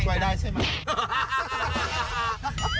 ช่วยได้ใช่ไหม